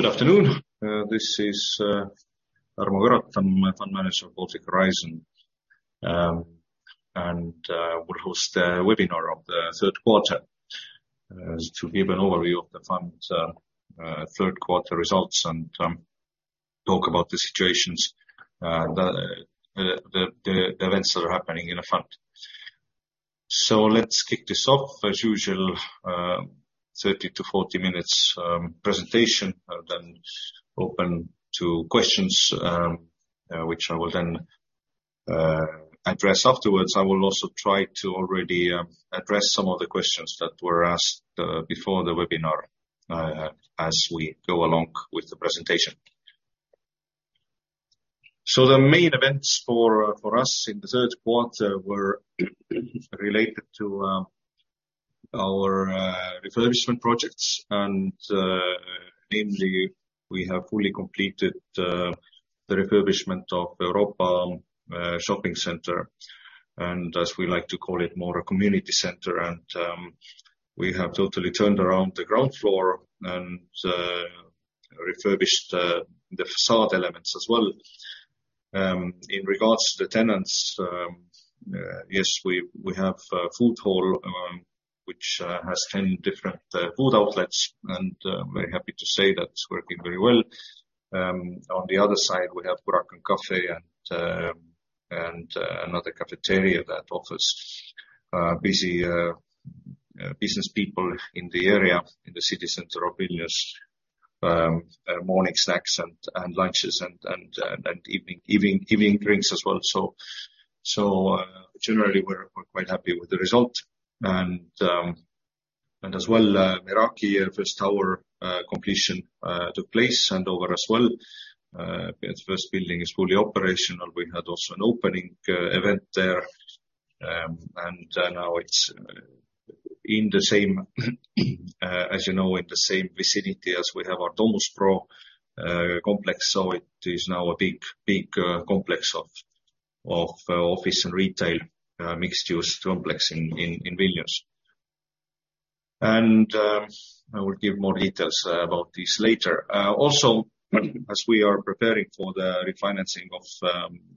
Good afternoon. This is Tarmo Karotam, I'm a fund manager of Baltic Horizon. We host the webinar of the third quarter to give an overview of the fund's third quarter results, and talk about the situations, the events that are happening in the fund. Let's kick this off. As usual, 30-40 minutes presentation, then open to questions, which I will then address afterwards. I will also try to already address some of the questions that were asked before the webinar, as we go along with the presentation. The main events for us in the third quarter were related to our refurbishment projects, and mainly we have fully completed the refurbishment of Europa shopping center, and as we like to call it, more a community center. We have totally turned around the ground floor and refurbished the facade elements as well. In regards to the tenants, yes, we have full hall, which has 10 different food outlets, and very happy to say that it's working very well. On the other side, we have Graak Cafe and another cafeteria that offers busy business people in the area, in the city center of Vilnius, morning snacks and lunches and evening drinks as well. Generally, we're quite happy with the result. Meraki first tower completion took place and over as well. Its first building is fully operational. We had also an opening event there, and now it's in the same, as you know, in the same vicinity as we have our Domus Pro complex. It is now a big complex of office and retail mixed use complex in Vilnius. I will give more details about this later. Also, as we are preparing for the refinancing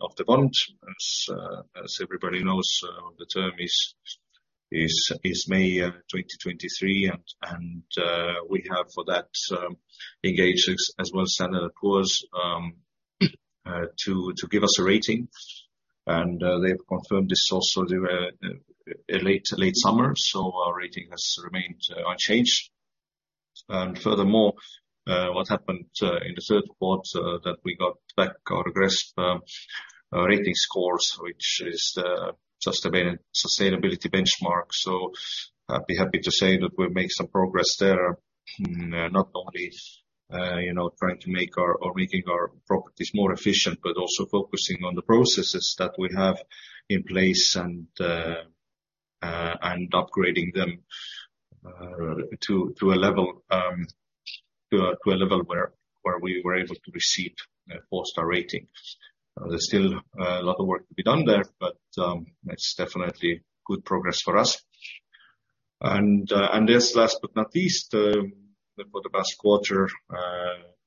of the bonds, as everybody knows, the term is May 2023. We have for that engaged as well Standard & Poor's to give us a rating. They've confirmed this is also due late summer, so our rating has remained unchanged. Furthermore, what happened in the third quarter that we got back our GRESB rating scores, which is the sustainability benchmark. I'd be happy to say that we've made some progress there. Not only, you know, making our properties more efficient, but also focusing on the processes that we have in place and upgrading them to a level where we were able to receive a four-star rating. There's still a lot of work to be done there, but it's definitely good progress for us. Yes, last but not least, for the past quarter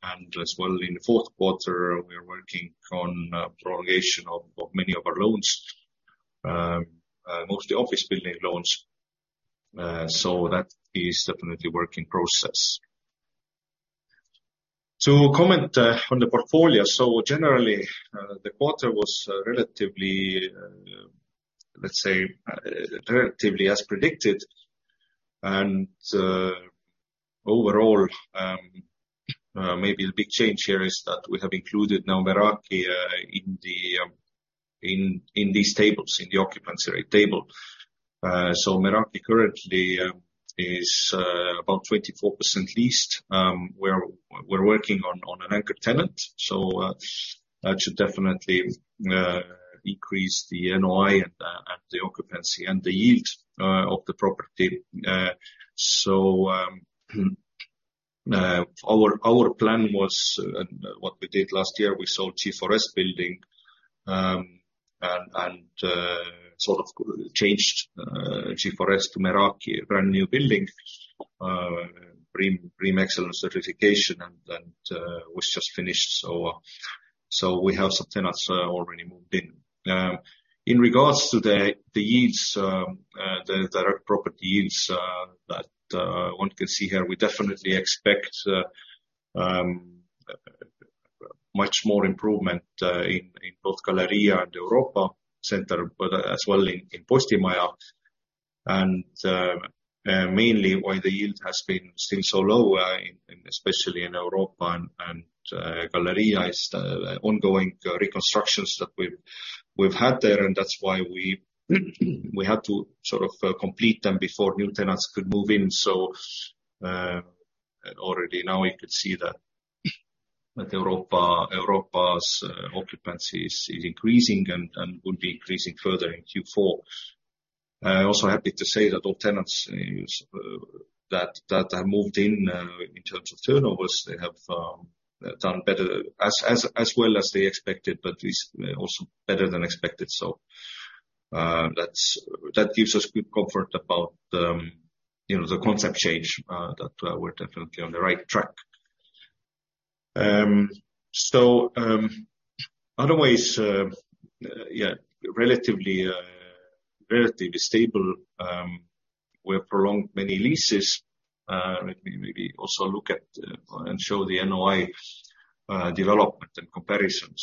and as well in the fourth quarter, we are working on prolongation of many of our loans, mostly office building loans. That is definitely work in process. To comment on the portfolio. Generally, the quarter was relatively, let's say, relatively as predicted. Overall, maybe the big change here is that we have included now Meraki in these tables, in the occupancy rate table. Meraki currently is about 24% leased. We're working on an anchor tenant that should definitely increase the NOI and the occupancy and the yield of the property. Our plan was what we did last year, we sold G4S building and sort of changed G4S to Meraki brand-new building, BREEAM Excellent certification and was just finished. We have some tenants already moved in. In regards to the yields, the direct property yields that one can see here, we definitely expect much more improvement in both Galerija and Europa Center, but as well in Postimaja. Mainly why the yield has been still so low, especially in Europa and Galerija, is the ongoing reconstructions that we've had there. That's why we had to sort of complete them before new tenants could move in. Already now we could see that Europa's occupancy is increasing and will be increasing further in Q4. Also happy to say that all tenants that have moved in terms of turnovers, they have done better than they expected, but is also better than expected. That gives us good comfort about, you know, the concept change that we're definitely on the right track. Otherwise, yeah, relatively stable, we have prolonged many leases. Let me maybe also look at and show the NOI development and comparison.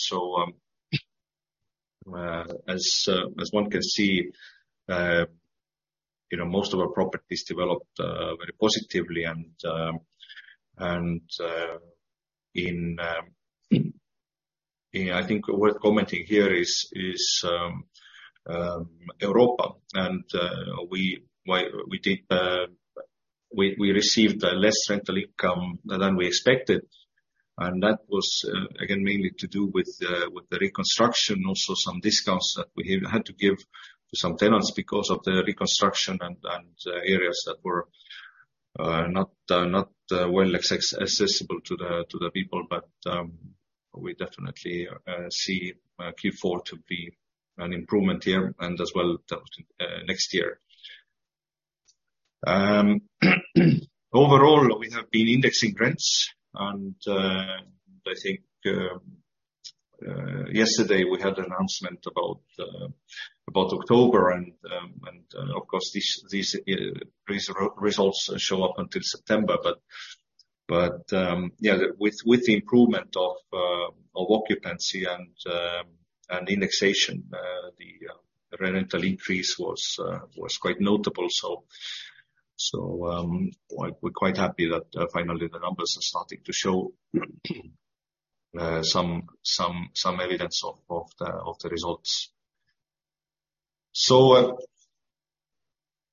As one can see, you know, most of our properties developed very positively and in yeah, I think worth commenting here is Europa and we received less rental income than we expected. That was again mainly to do with the reconstruction, also some discounts that we had to give to some tenants because of the reconstruction and areas that were not well accessible to the people. We definitely see Q4 to be an improvement here and as well next year. Overall we have been indexing rents and I think yesterday we had announcement about October and of course these results show up until September. Yeah, with the improvement of occupancy and indexation, the rental increase was quite notable. We're quite happy that finally the numbers are starting to show some evidence of the results.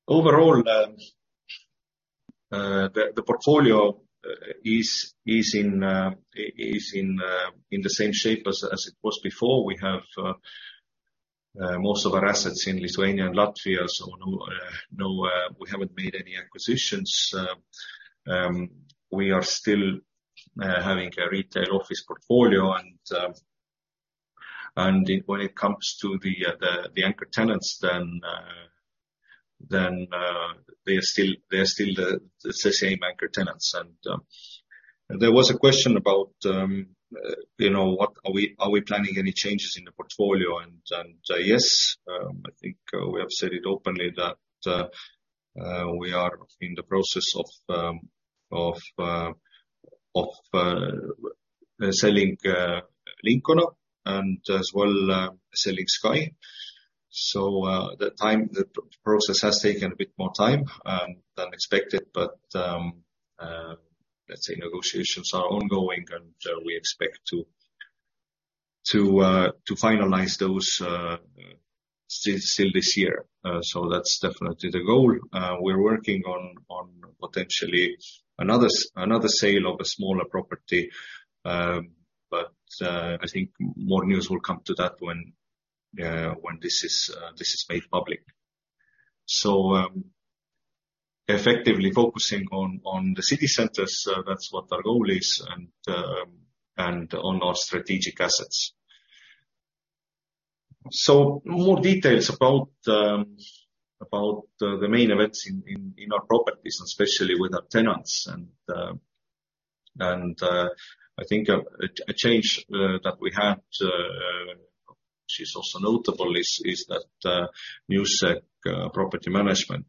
Overall the portfolio is in the same shape as it was before. We have most of our assets in Lithuania and Latvia, so no, we haven't made any acquisitions. We are still having a retail office portfolio and when it comes to the anchor tenants then they're still the same anchor tenants. There was a question about you know what are we planning any changes in the portfolio? Yes, I think we have said it openly that we are in the process of selling Lincona and as well selling Sky. The process has taken a bit more time than expected, but let's say negotiations are ongoing and we expect to finalize those still this year. That's definitely the goal. We're working on potentially another sale of a smaller property. I think more news will come to that when this is made public. Effectively focusing on the city centers, that's what our goal is and on our strategic assets. More details about the main events in our properties, especially with our tenants. I think a change that we had, which is also notable is that Newsec Property Management,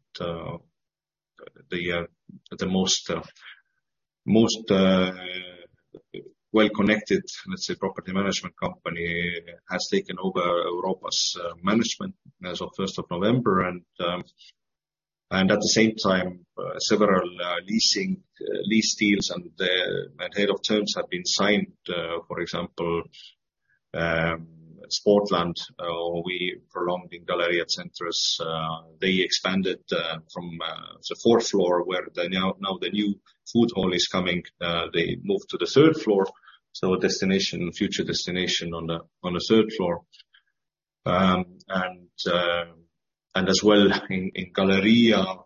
the most well connected, let's say, property management company has taken over Europa's management as of first of November. At the same time, several lease deals and letter of terms have been signed, for example, Sportland, we prolonged in Galerija Centrs. They expanded from the fourth floor where they now the new food hall is coming, they moved to the third floor, so future destination on the third floor. As well in Galerija,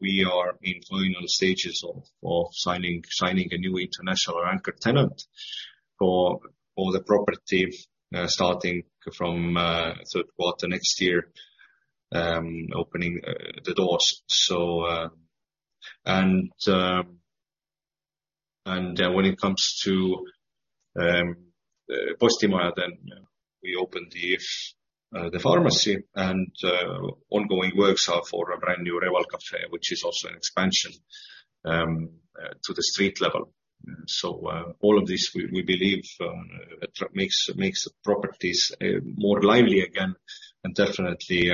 we are in final stages of signing a new international anchor tenant for all the property, starting from third quarter next year, opening the doors. When it comes to Postimaja, then we opened the pharmacy and ongoing works are for a brand new Revol Cafe, which is also an expansion to the street level. All of this we believe makes the properties more lively again and definitely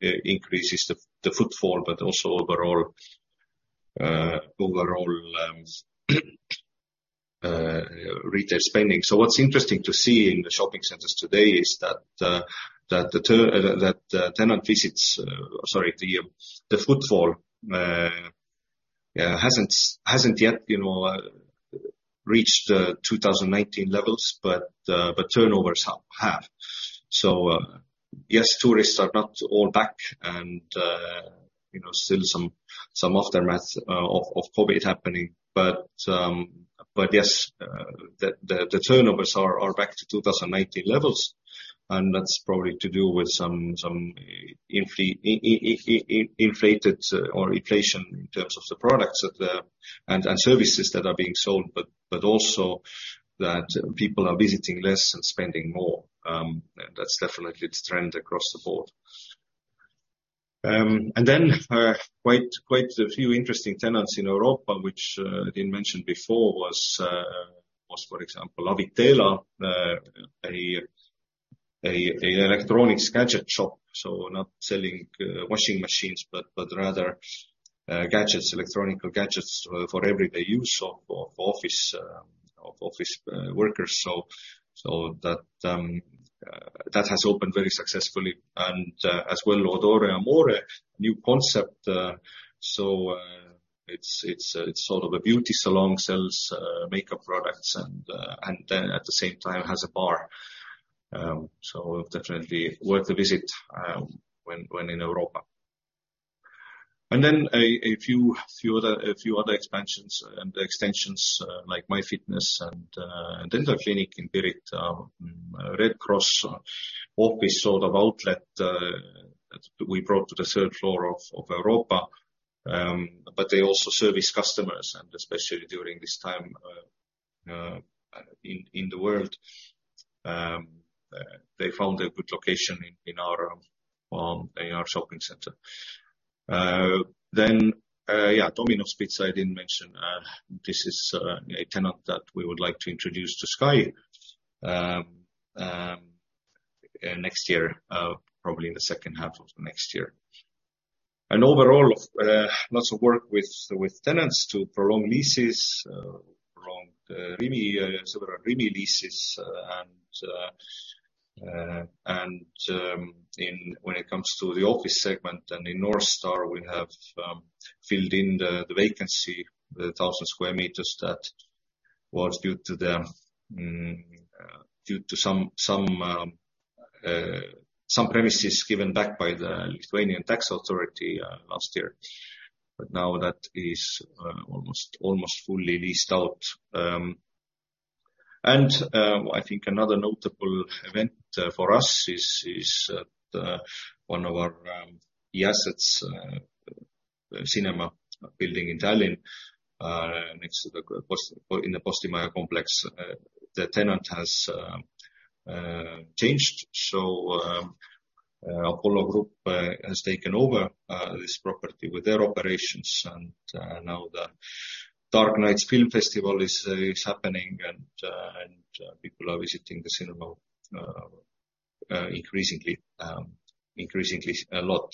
increases the footfall, but also overall retail spending. What's interesting to see in the shopping centers today is that the footfall hasn't yet, you know, reached 2019 levels, but turnovers have. Yes, tourists are not all back and, you know, still some aftermath of COVID happening. Yes, the turnovers are back to 2019 levels, and that's probably to do with some inflation in terms of the products and services that are being sold, but also that people are visiting less and spending more. That's definitely the trend across the board. Quite a few interesting tenants in Europa, which I didn't mention before, for example, Avitela, a electronics gadget shop, so not selling washing machines, but rather gadgets, electronic gadgets for everyday use of office workers. That has opened very successfully, and as well, Odore d'amore, new concept, it's sort of a beauty salon, sells makeup products and then at the same time has a bar. Definitely worth a visit when in Europa. A few other expansions and extensions like MyFitness and Delta peak in Pirita Red Cross office sort of outlet that we brought to the third floor of Europa, but they also service customers and especially during this time in the world, they found a good location in our shopping center. Domino's Pizza, I didn't mention, this is a tenant that we would like to introduce to Sky next year, probably in the second half of next year. Overall, lots of work with tenants to prolong leases, prolonged several Rimi leases, and when it comes to the office segment and in North Star, we have filled in the vacancy, the 1,000 sq m that was due to some premises given back by the State Tax Inspectorate last year. Now that is almost fully leased out. I think another notable event for us is one of our assets, cinema building in Tallinn, next to the Postimaja complex. The tenant has changed, so Apollo Group has taken over this property with their operations. Now the Dark Nights Film Festival is happening and people are visiting the cinema increasingly a lot.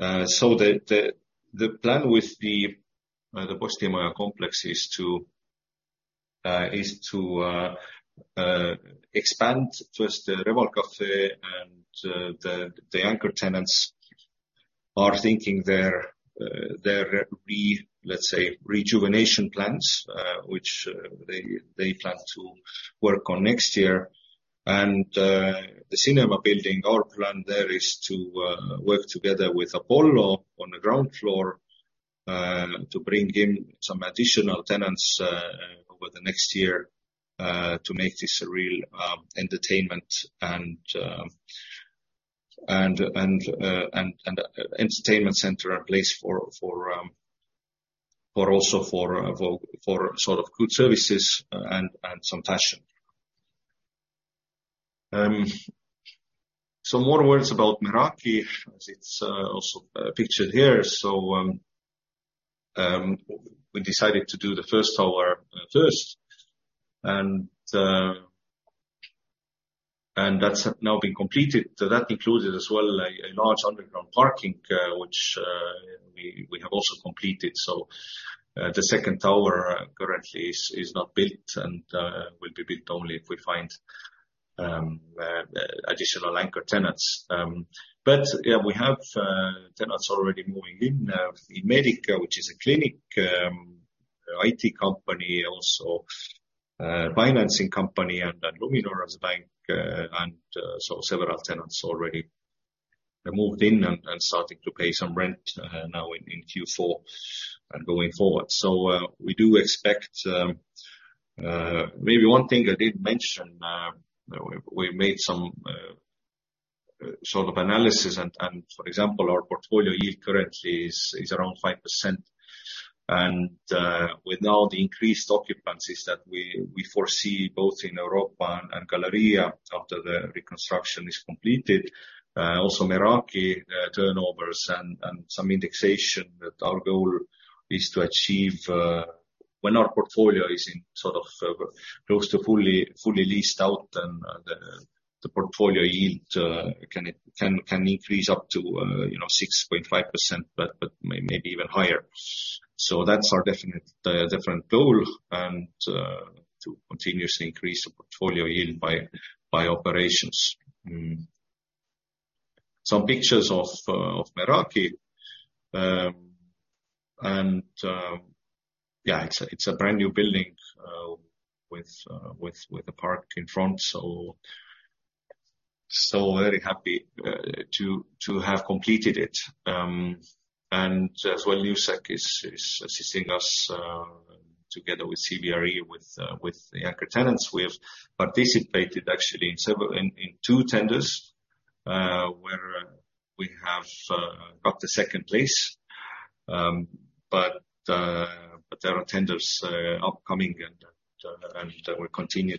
The plan with the Postimaja complex is to expand first the Revol Cafe and the anchor tenants are thinking their rejuvenation plans, which they plan to work on next year. The cinema building, our plan there is to work together with Apollo on the ground floor to bring in some additional tenants over the next year to make this a real entertainment center and place for also sort of food services and some fashion. More words about Meraki, as it's also pictured here. We decided to do the first tower and that's now been completed. That included as well a large underground parking which we have also completed. The second tower currently is not built and will be built only if we find additional anchor tenants. Yeah, we have tenants already moving in, Imedica, which is a clinic, IT company also, financing company and Luminor as a bank, and several tenants already have moved in and starting to pay some rent now in Q4 and going forward. We do expect maybe one thing I didn't mention. We made some sort of analysis and for example, our portfolio yield currently is around 5%. With all the increased occupancies that we foresee both in Europa and Galerija after the reconstruction is completed, also Meraki turnovers and some indexation that our goal is to achieve when our portfolio is in sort of close to fully leased out, then the portfolio yield can increase up to, you know, 6.5%, but maybe even higher. That's our definite different goal and to continuously increase the portfolio yield by operations. Some pictures of Meraki. Yeah, it's a brand-new building with a park in front. Very happy to have completed it. As well, Newsec is assisting us together with CBRE with the anchor tenants. We have participated actually in two tenders where we have got the second place. There are tenders upcoming and we continue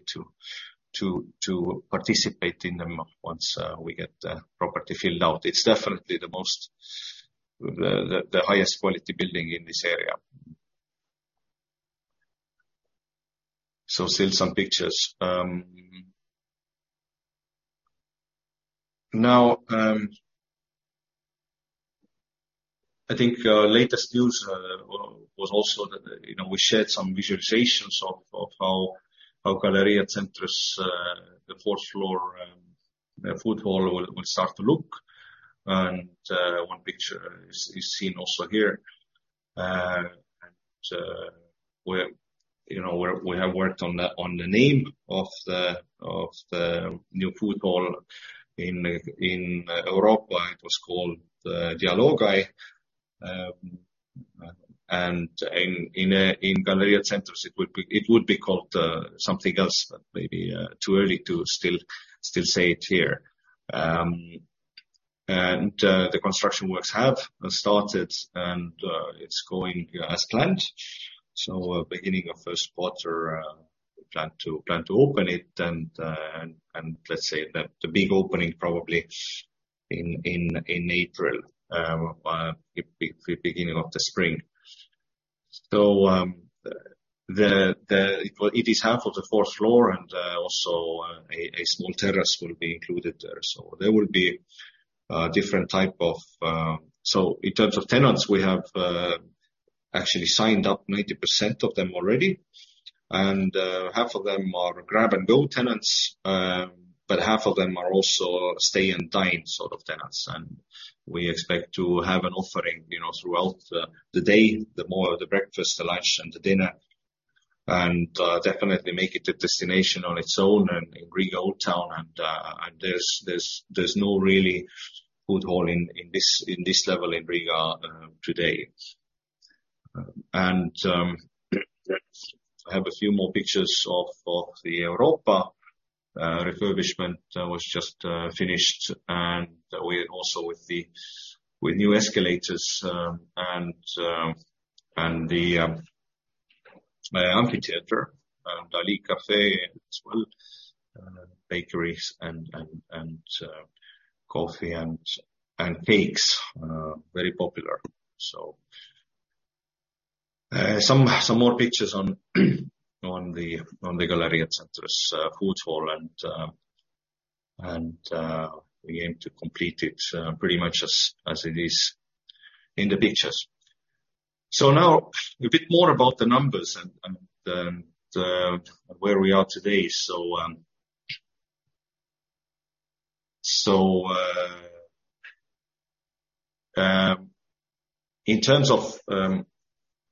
to participate in them once we get the property filled out. It's definitely the highest quality building in this area. Still some pictures. Now, I think latest news was also that, you know, we shared some visualizations of how Galerija Centrs, the fourth floor food hall will start to look. One picture is seen also here. We have worked on the name of the new food hall. In Europa it was called Dialogai. In Galerija Centrs, it would be called something else. Maybe too early to still say it here. The construction works have started, and it's going as planned. Beginning of first quarter, we plan to open it and let's say that the big opening probably in April, beginning of the spring. It is half of the fourth floor and also a small terrace will be included there. There will be different type of. In terms of tenants, we have actually signed up 90% of them already. Half of them are grab-and-go tenants, but half of them are also stay-and-dine sort of tenants. We expect to have an offering, you know, throughout the day. The more the breakfast, the lunch, and the dinner. Definitely make it a destination on its own and in Riga Old Town and there's no real food hall in this level in Riga today. I have a few more pictures of the Europa. Refurbishment was just finished and we also with the new escalators and the amphitheater and Ali Cafe as well. Bakeries and coffee and cakes very popular. Some more pictures on the Galerija Centrs food hall and we aim to complete it pretty much as it is in the pictures. Now a bit more about the numbers and the where we are today.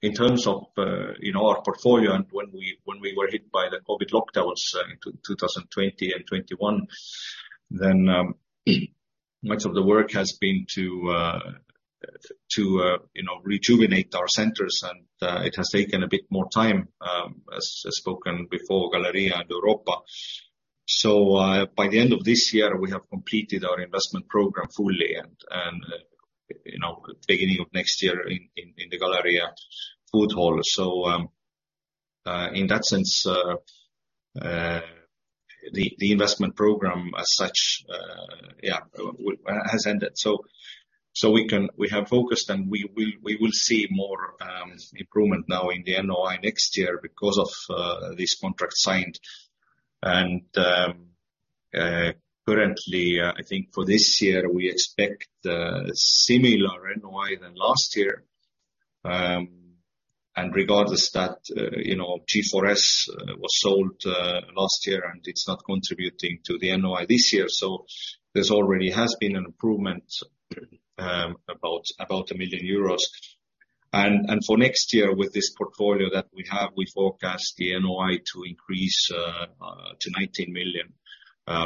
In terms of you know our portfolio and when we were hit by the COVID lockdowns in 2020 and 2021, then much of the work has been to you know rejuvenate our centers. It has taken a bit more time as spoken before Galerija and Europa. By the end of this year, we have completed our investment program fully and you know beginning of next year in the Galerija food hall. In that sense the investment program as such has ended. We have focused and we will see more improvement now in the NOI next year because of this contract signed. Currently, I think for this year we expect similar NOI than last year. Regardless that, you know, G4S was sold last year and it's not contributing to the NOI this year. There's already has been an improvement about 1 million euros. For next year, with this portfolio that we have, we forecast the NOI to increase to 19 million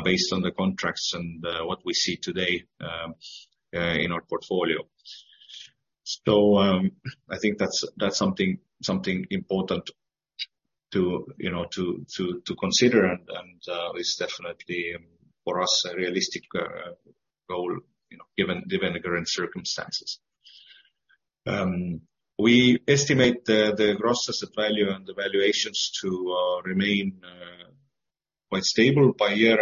based on the contracts and what we see today in our portfolio. I think that's something important to, you know, consider. It's definitely for us a realistic goal, you know, given the current circumstances. We estimate the gross asset value and the valuations to remain quite stable by year.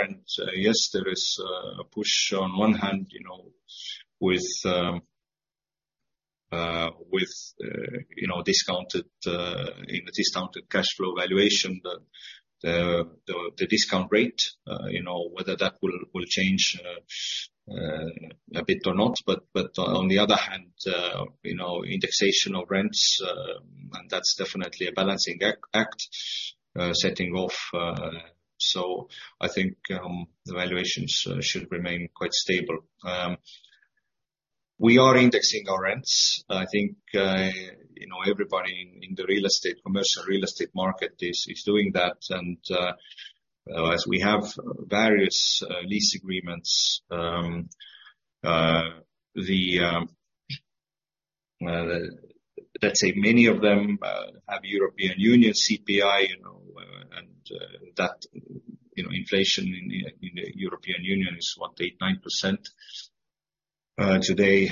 Yes, there is a push on one hand, you know, with the discount rate in the discounted cash flow valuation. You know, whether that will change a bit or not. On the other hand, you know, indexation of rents, and that's definitely a balancing act setting off. I think the valuations should remain quite stable. We are indexing our rents. I think you know, everybody in the commercial real estate market is doing that. As we have various lease agreements, let's say many of them have European Union CPI, you know, and that, you know, inflation in the European Union is what, 8%, 9% today.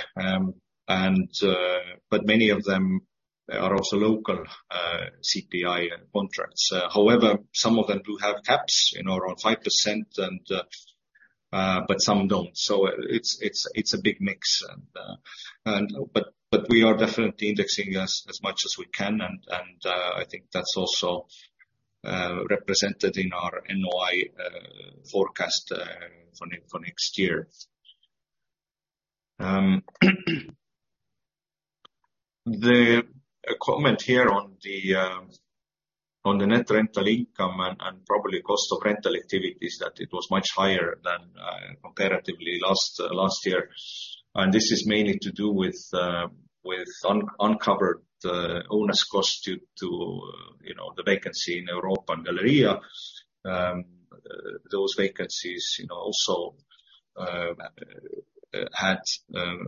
Many of them are also local CPI contracts. However, some of them do have caps, you know, around 5% and some don't. It's a big mix. We are definitely indexing as much as we can. I think that's also represented in our NOI forecast for next year. The comment here on the net rental income and probably cost of rental activities, that it was much higher than comparatively last year. This is mainly to do with uncovered owner's costs due to, you know, the vacancy in Europa and Galerija Centrs. Those vacancies, you know, also had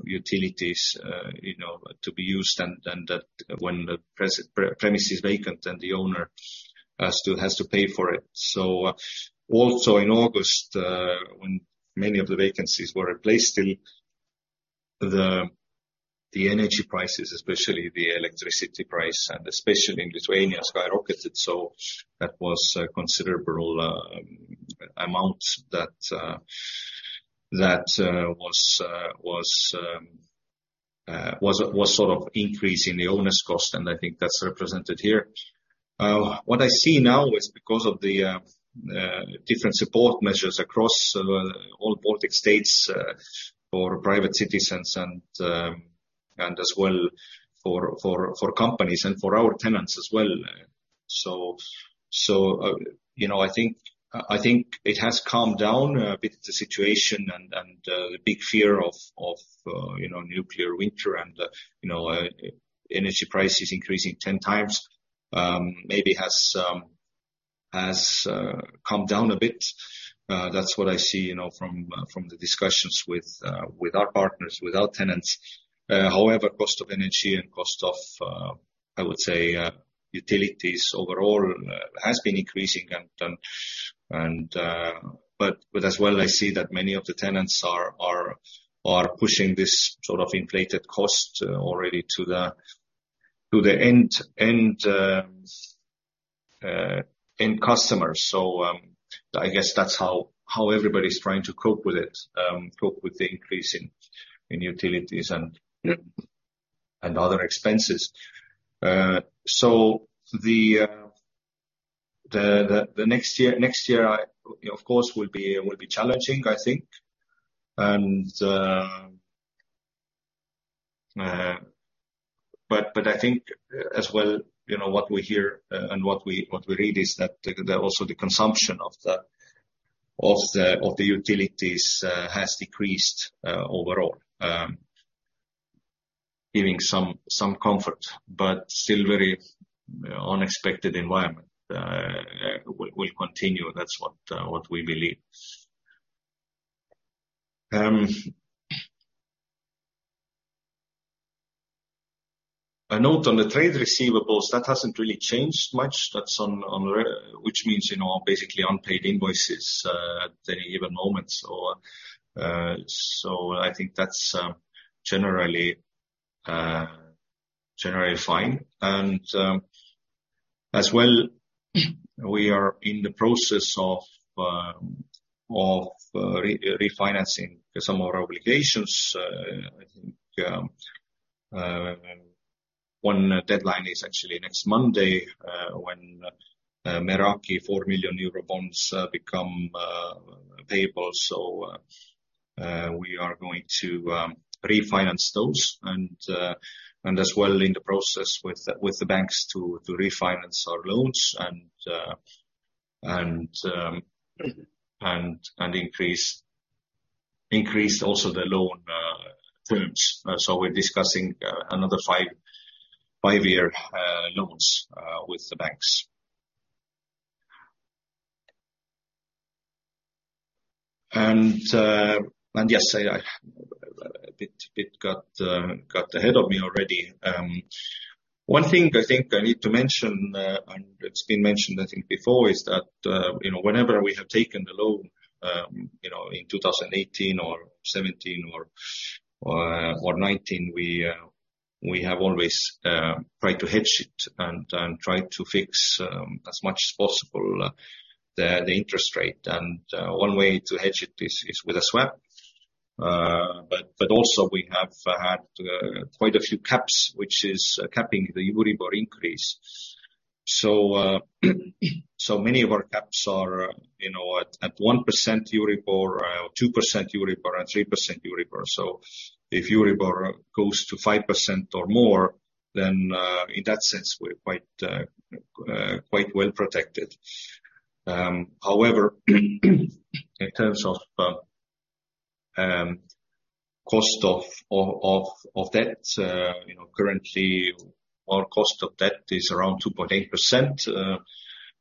utilities to be used and that when the premise is vacant, then the owner has to pay for it. Also in August, when many of the vacancies were replaced in the energy prices, especially the electricity price and especially in Lithuania skyrocketed. That was a considerable amount that was sort of increase in the owner's costs, and I think that's represented here. What I see now is because of the different support measures across all Baltic States for private citizens and as well for companies and for our tenants as well. You know, I think it has calmed down a bit, the situation and the big fear of you know, nuclear winter and you know, energy prices increasing ten times maybe has calmed down a bit. That's what I see, you know, from the discussions with our partners, with our tenants. However, cost of energy and cost of I would say, utilities overall has been increasing. But as well, I see that many of the tenants are pushing this sort of inflated cost already to the end customers. I guess that's how everybody's trying to cope with the increase in utilities and other expenses. The next year of course will be challenging, I think. But I think as well, you know, what we hear and what we read is that also the consumption of the utilities has decreased overall, giving some comfort, but still very unexpected environment will continue. That's what we believe. A note on the trade receivables, that hasn't really changed much. That's on receivables, which means, you know, basically unpaid invoices at any given moment. I think that's generally fine. As well, we are in the process of refinancing some of our obligations. I think one deadline is actually next Monday, when Meraki EUR 4 million bonds become payable. We are going to refinance those. As well in the process with the banks to refinance our loans and increase also the loan terms. We're discussing another five-year loans with the banks. Yes, I got ahead of me already. One thing I think I need to mention, and it's been mentioned, I think before, is that, you know, whenever we have taken the loan, you know, in 2018 or 2017 or 2019, we have always tried to hedge it and try to fix as much as possible the interest rate. One way to hedge it is with a swap. But also we have had quite a few caps, which is capping the Euribor increase. So many of our caps are, you know, at 1% Euribor, 2% Euribor and 3% Euribor. If Euribor goes to 5% or more, then in that sense, we're quite well protected. However, in terms of cost of debt, you know, currently our cost of debt is around 2.8%,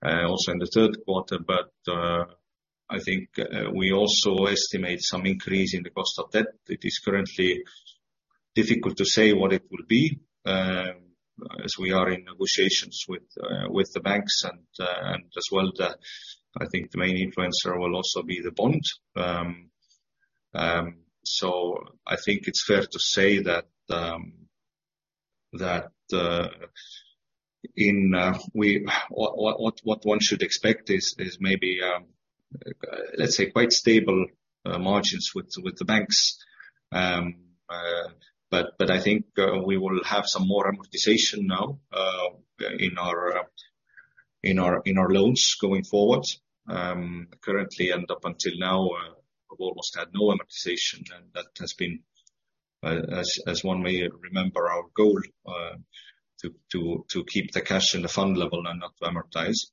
also in the third quarter, but I think we also estimate some increase in the cost of debt. It is currently difficult to say what it will be, as we are in negotiations with the banks and as well the, I think the main influencer will also be the bond. I think it's fair to say that what one should expect is maybe let's say quite stable margins with the banks. I think we will have some more amortization now in our loans going forward. Currently and up until now, we've almost had no amortization and that has been, as one may remember, our goal to keep the cash in the fund level and not to amortize.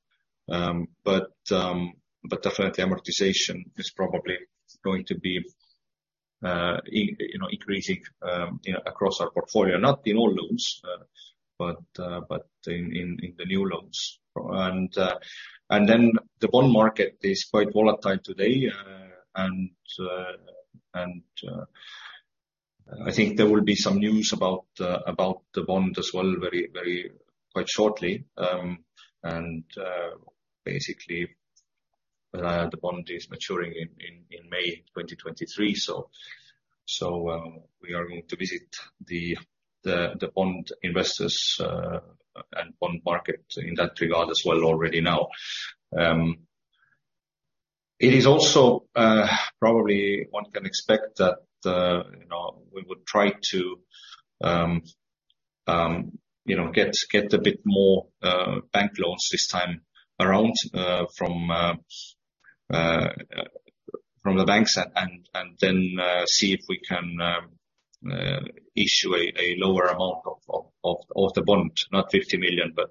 Definitely amortization is probably going to be increasing, you know, across our portfolio, not in all loans, but in the new loans. Then the bond market is quite volatile today, and I think there will be some news about the bond as well very shortly. Basically, the bond is maturing in May 2023. We are going to visit the bond investors and bond market in that regard as well already now. It is also probably one can expect that you know we would try to get a bit more bank loans this time around from the banks and then see if we can issue a lower amount of the bond. Not 50 million, but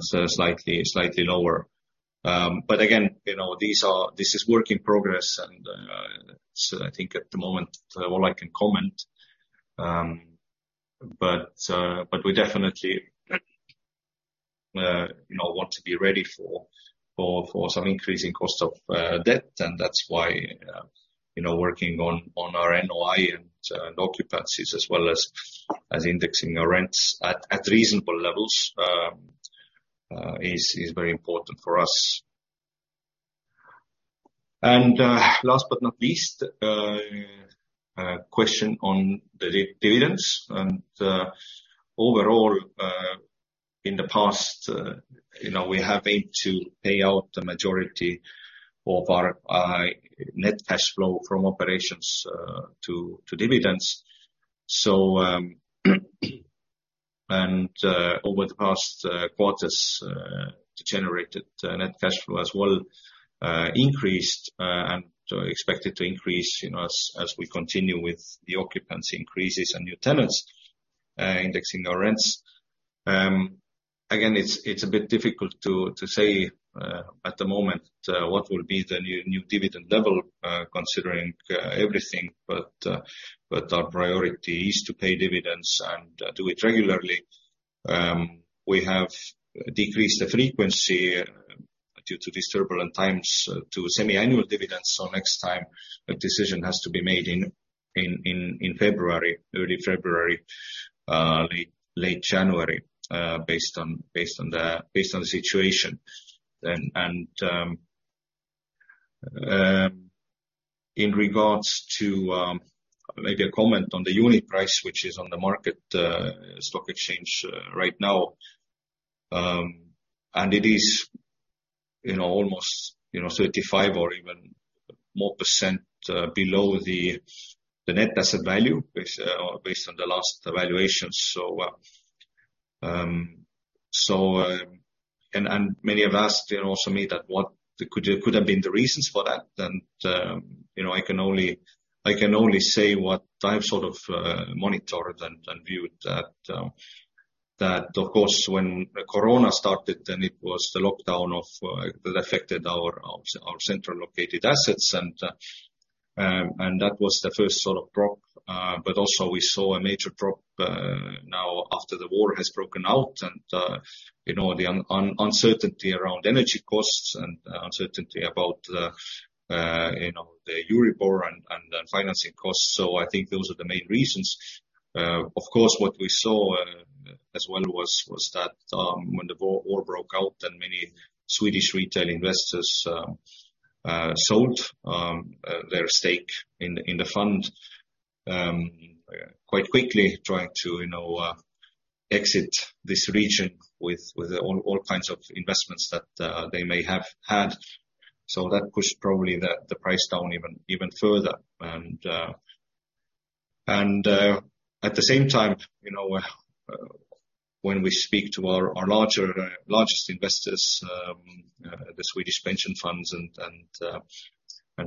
slightly lower. But again, you know, this is work in progress and I think at the moment all I can comment. We definitely you know want to be ready for some increasing cost of debt. That's why, you know, working on our NOI and occupancies as well as indexing our rents at reasonable levels is very important for us. Last but not least, question on the dividends. Overall, in the past, you know, we have aimed to pay out the majority of our net cash flow from operations to dividends. Over the past quarters, the generated net cash flow as well increased and expected to increase, you know, as we continue with the occupancy increases and new tenants indexing our rents. Again, it's a bit difficult to say at the moment what will be the new dividend level considering everything. Our priority is to pay dividends and do it regularly. We have decreased the frequency due to these turbulent times to semi-annual dividends. Next time a decision has to be made in late January, early February, based on the situation. In regards to maybe a comment on the unit price, which is on the stock exchange right now. It is you know almost you know 35% or even more below the net asset value based on the last evaluation. Many have asked you know also me what could have been the reasons for that. You know, I can only say what I've sort of monitored and viewed, that of course when the corona started then it was the lockdown that affected our centrally located assets, and that was the first sort of drop. Also we saw a major drop now after the war has broken out and you know the uncertainty around energy costs and uncertainty about you know the Euribor and financing costs. I think those are the main reasons. Of course, what we saw as well was that when the war broke out then many Swedish retail investors sold their stake in the fund quite quickly trying to, you know, exit this region with all kinds of investments that they may have had. That pushed probably the price down even further. At the same time, you know, when we speak to our largest investors, the Swedish pension funds and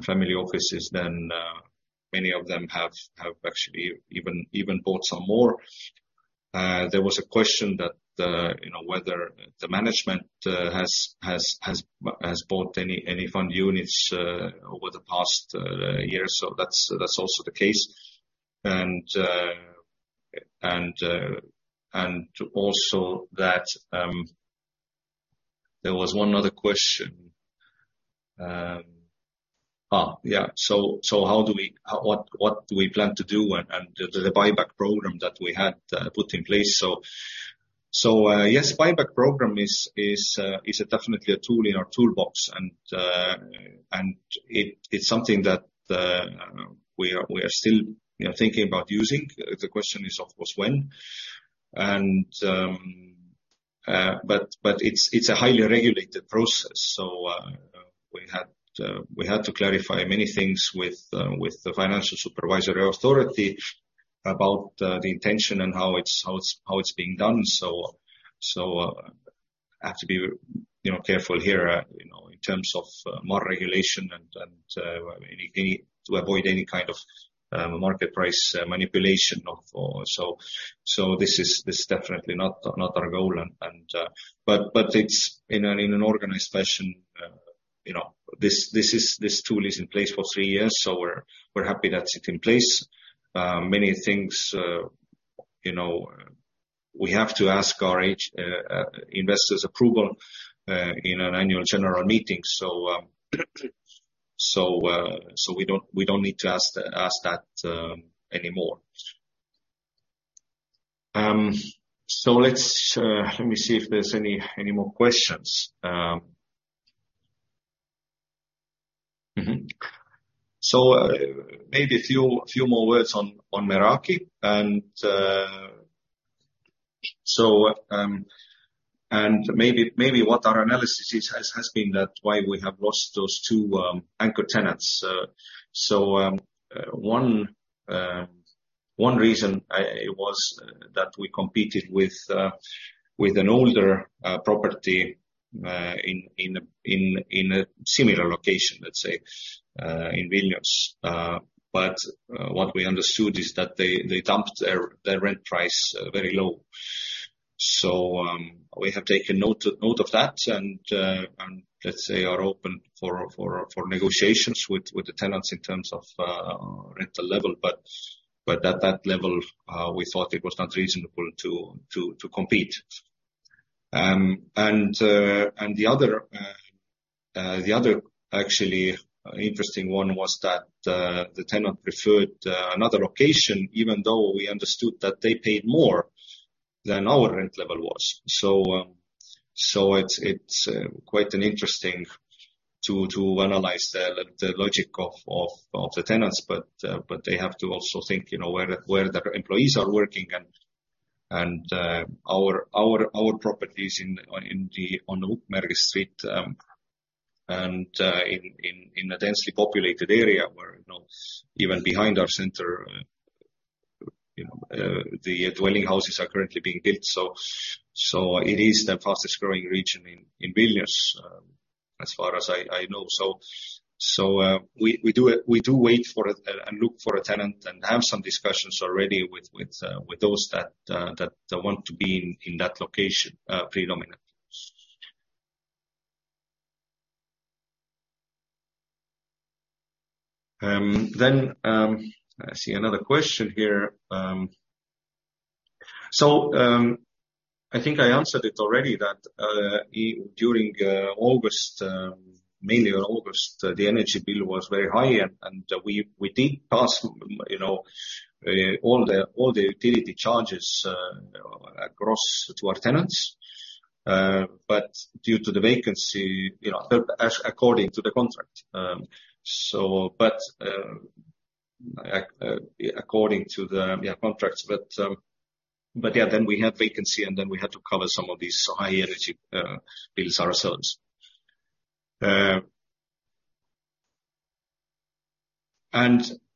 family offices, then many of them have actually even bought some more. There was a question that, you know, whether the management has bought any fund units over the past years. That's also the case. There was one other question. What do we plan to do with the buyback program that we had put in place. Yes, buyback program is definitely a tool in our toolbox. It's something that we are still, you know, thinking about using. The question is, of course, when. But it's a highly regulated process. We had to clarify many things with the Financial Supervisory Authority about the intention and how it's being done. I have to be, you know, careful here, you know, in terms of more regulation and any to avoid any kind of market price manipulation. This is definitely not our goal. It's in an organized fashion. You know, this tool is in place for three years, so we're happy that it's in place. Many things, you know, we have to ask our investors' approval in an annual general meeting. We don't need to ask that anymore. Let me see if there's any more questions. Mm-hmm. Maybe a few more words on Meraki. Maybe what our analysis has been is that's why we have lost those two anchor tenants. One reason it was that we competed with an older property in a similar location, let's say, in Vilnius. What we understood is that they dumped their rent price very low. We have taken note of that. Let's say we are open for negotiations with the tenants in terms of rental level. At that level we thought it was not reasonable to compete. The other actually interesting one was that the tenant preferred another location, even though we understood that they paid more than our rent level was. It's quite interesting to analyze the logic of the tenants. They have to also think, you know, where their employees are working. Our old properties on Ukmergės Street and in a densely populated area where, you know, even behind our center, you know, the dwelling houses are currently being built. It is the fastest growing region in Vilnius, as far as I know. We do wait for and look for a tenant and have some discussions already with those that want to be in that location predominantly. I see another question here. I think I answered it already that during August, mainly August, the energy bill was very high. We did pass, you know, all the utility charges across to our tenants. But due to the vacancy, you know, according to the contract, according to the contracts. But yeah, then we had vacancy, and then we had to cover some of these high energy bills ourselves.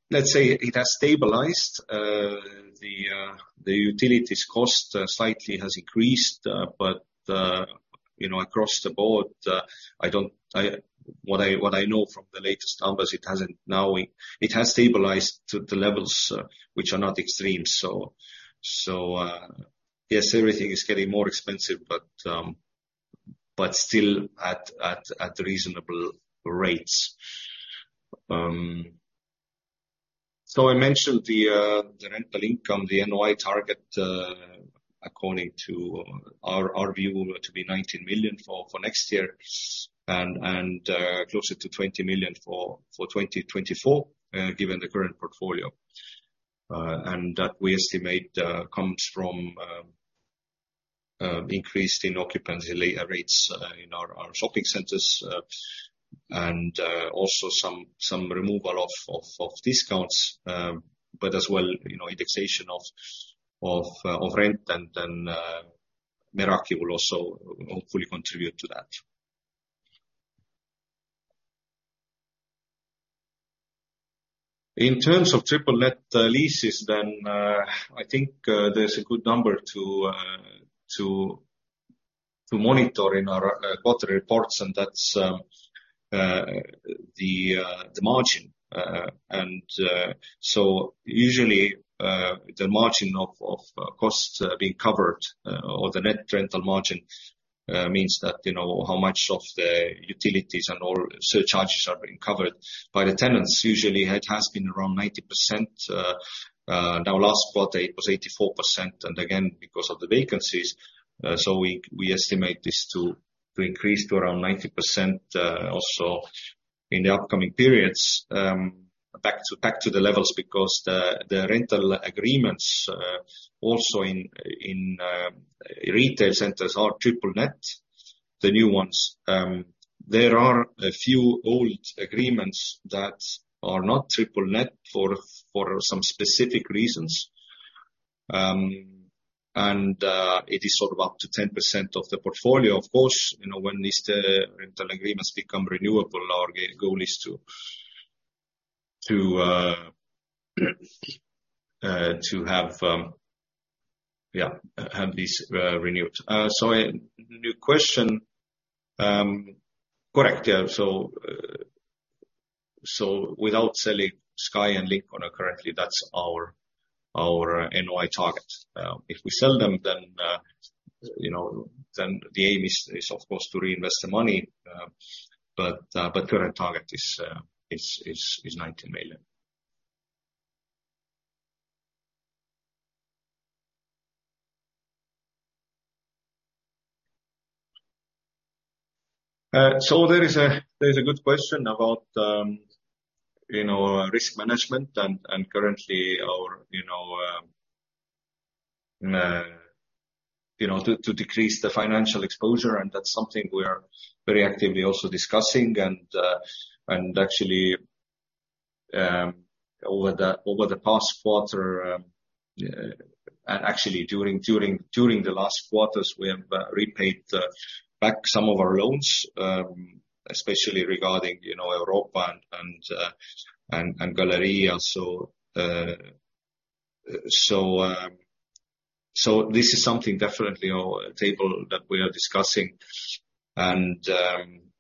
Let's say it has stabilized. The utilities cost slightly has increased. You know, across the board, what I know from the latest numbers, it has stabilized to the levels which are not extreme. Yes, everything is getting more expensive, but still at reasonable rates. I mentioned the rental income, the NOI target according to our view to be 19 million for next year and closer to 20 million for 2024, given the current portfolio. That we estimate comes from increased occupancy rates in our shopping centers and also some removal of discounts. As well, you know, indexation of rent and then Meraki will also hopefully contribute to that. In terms of triple net leases, then, I think, there's a good number to monitor in our quarter reports and that's the margin. Usually the margin of costs being covered or the net rental margin means that, you know, how much of the utilities and all surcharges are being covered by the tenants. Usually it has been around 90%, now last quarter it was 84%, and again, because of the vacancies. We estimate this to increase to around 90% also in the upcoming periods. Back to the levels because the rental agreements also in retail centers are triple net, the new ones. There are a few old agreements that are not triple net for some specific reasons. It is sort of up to 10% of the portfolio. Of course, you know, when these rental agreements become renewable, our goal is to have these renewed. New question, correct, yeah. Without selling Sky and Lincona currently, that's our NOI target. If we sell them, you know, the aim is of course to reinvest the money. Current target is 90 million. There is a good question about, you know, risk management and, currently, our, you know, to decrease the financial exposure, and that's something we are very actively also discussing. Actually, over the past quarter, and actually during the last quarters, we have repaid back some of our loans, especially regarding, you know, Europa and Galerija. This is something definitely on table that we are discussing.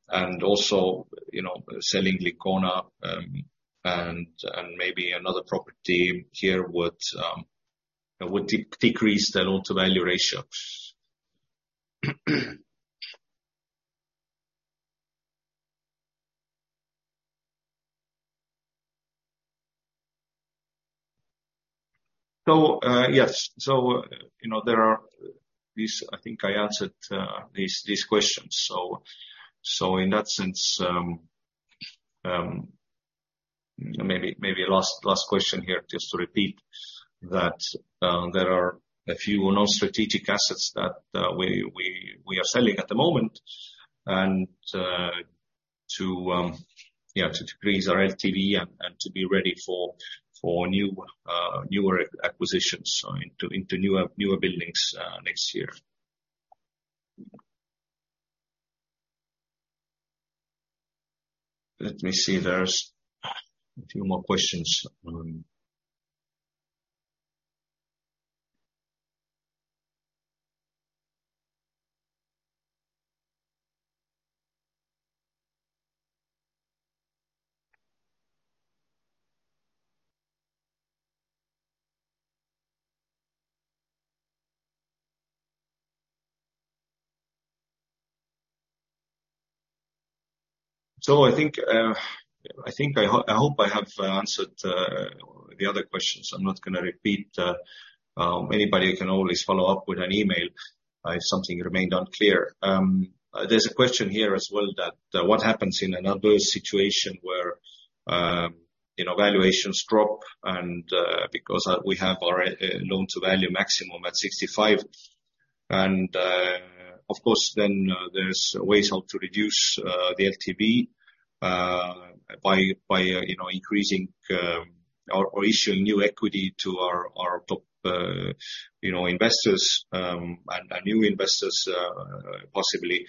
Also, you know, selling Lincona, and maybe another property here would decrease the loan to value ratio. Yes. You know, there are these. I think I answered these questions. In that sense, maybe last question here just to repeat that there are a few non-strategic assets that we are selling at the moment. To decrease our LTV and to be ready for newer acquisitions into newer buildings next year. Let me see. There's a few more questions. I think I hope I have answered the other questions. I'm not gonna repeat. Anybody can always follow up with an email if something remained unclear. There's a question here as well, what happens in an adverse situation where you know valuations drop and because we have our loan-to-value maximum at 65%. Of course, then there's ways how to reduce the LTV by you know increasing or issuing new equity to our top you know investors and new investors possibly.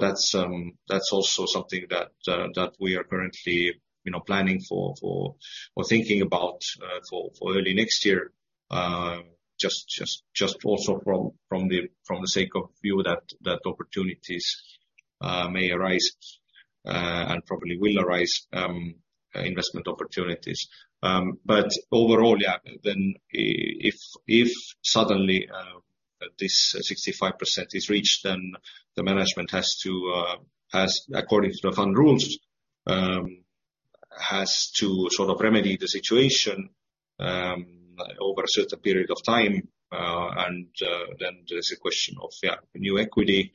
That's also something that we are currently you know planning for or thinking about for early next year. Just also from the sake of view that opportunities may arise and probably will arise investment opportunities. But overall, yeah, if suddenly this 65% is reached, then the management has to according to the fund rules sort of remedy the situation over a certain period of time. then there's a question of, yeah, new equity,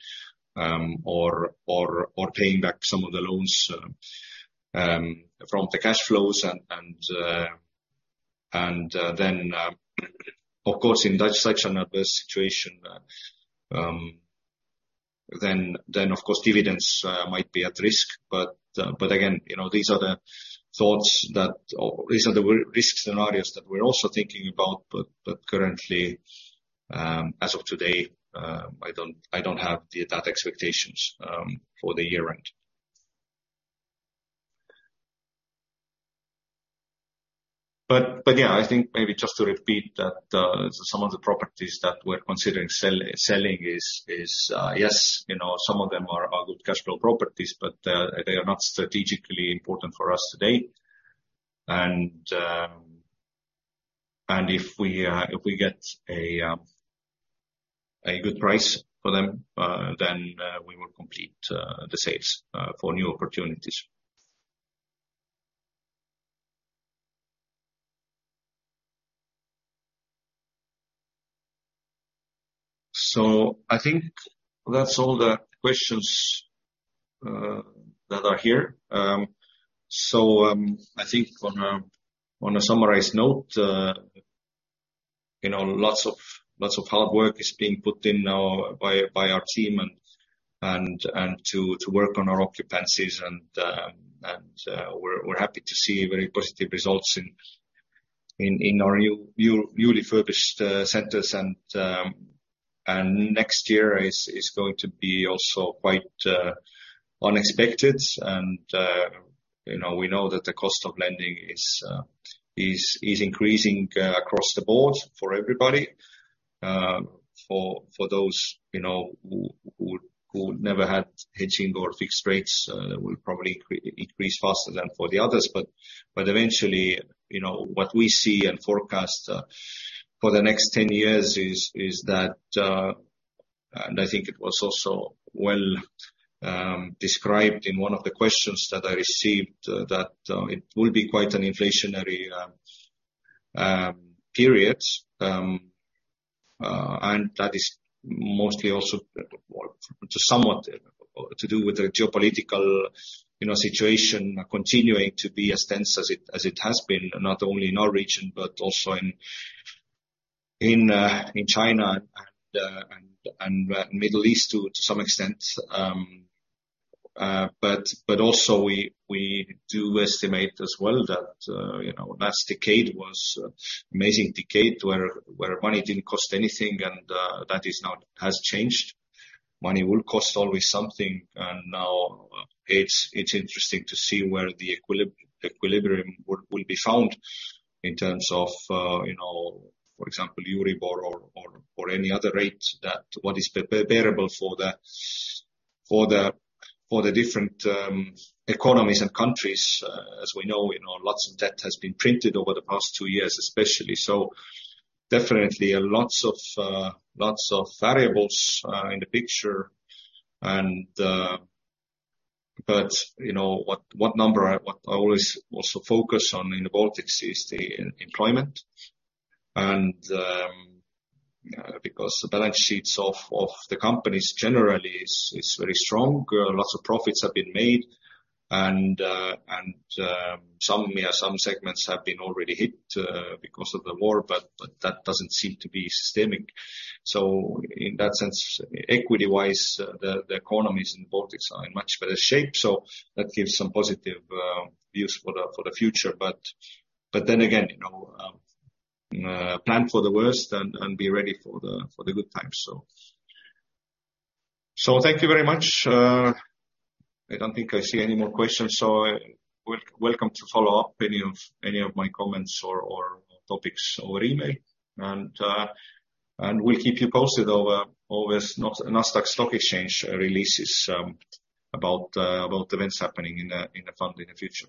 or paying back some of the loans from the cash flows and then, of course, in such an adverse situation, then of course, dividends might be at risk. but again, you know, these are the thoughts that, or these are the risk scenarios that we're also thinking about. but currently, as of today, I don't have those expectations for the year end. but yeah, I think maybe just to repeat that, some of the properties that we're considering selling is, yes, you know, some of them are good cash flow properties, but they are not strategically important for us today. If we get a good price for them, then we will complete the sales for new opportunities. I think that's all the questions that are here. I think on a summarized note, you know, lots of hard work is being put in now by our team and to work on our occupancies and we're happy to see very positive results in our newly refurbished centers. Next year is going to be also quite unexpected. You know, we know that the cost of lending is increasing across the board for everybody. For those, you know, who never had hedging or fixed rates will probably increase faster than for the others. Eventually, you know, what we see and forecast for the next 10 years is that I think it was also well described in one of the questions that I received, that it will be quite an inflationary period. That is mostly also somewhat to do with the geopolitical, you know, situation continuing to be as dense as it has been, not only in our region, but also in China and Middle East to some extent. We do estimate as well that you know last decade was amazing decade where money didn't cost anything and that has changed. Money will cost always something. Now it's interesting to see where the equilibrium will be found in terms of you know for example Euribor or any other rate that what is bearable for the different economies and countries. As we know you know lots of debt has been printed over the past two years especially. Definitely lots of variables in the picture. You know what number I always also focus on the Baltic is the employment. Because the balance sheets of the companies generally is very strong. Lots of profits have been made. Some segments have been already hit because of the war, but that doesn't seem to be stemming. In that sense, equity-wise, the economies in the Baltic are in much better shape. That gives some positive views for the future. Then again, you know, plan for the worst and be ready for the good times. Thank you very much. I don't think I see any more questions. Welcome to follow up any of my comments or topics over email. We'll keep you posted over Nasdaq Stock Exchange releases about events happening in the fund in the future.